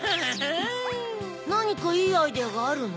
なにかいいアイデアがあるの？